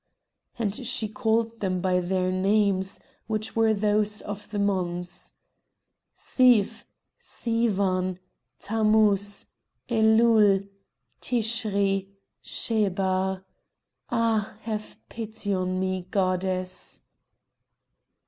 And she called them by their names, which were those of the months—"Siv! Sivan! Tammouz, Eloul, Tischri, Schebar! Ah! have pity on me, goddess!"